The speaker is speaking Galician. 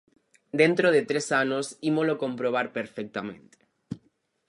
Dentro de tres anos ímolo comprobar perfectamente.